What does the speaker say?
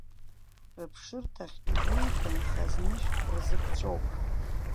Рыԥшырҭахь иҩылган хаз нышәк рзыԥҵәоуп.